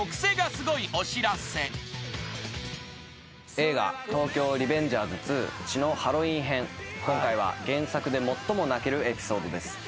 映画『東京リベンジャーズ２血のハロウィン編』今回は原作で最も泣けるエピソードです。